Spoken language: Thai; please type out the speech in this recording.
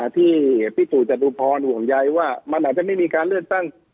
ที่พี่ตู่จตุพรห่วงใยว่ามันอาจจะไม่มีการเลือกตั้ง